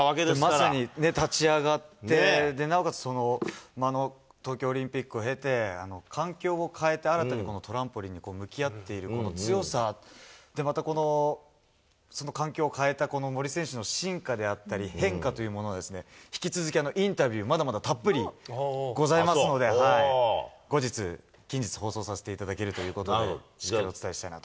まさにね、立ち上がって、なおかつ、東京オリンピックを経て、環境を変えて新たにトランポリンに向き合っている、この強さ、またこの、その環境を変えた、この森選手の進化であったり、変化というものが、引き続き、インタビュー、まだまだたっぷりございますので、後日、近日放送させていただけるということで、しっかりお伝えしたいなと。